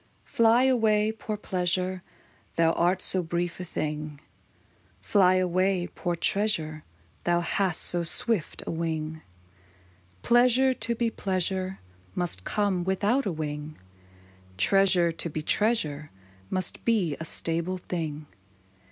51 II. Fly away, poor pleasure, That art so brief a thing: Fly away, poor treasure, That hast so swift a wing. hi. Pleasure, to be pleasure, Must come without a wing ; Treasure, to be treasure, Must be a stable thing. IV.